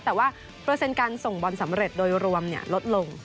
แต่ว่าเปอร์เซ็นต์การส่งบอลสำเร็จโดยรวมลดลง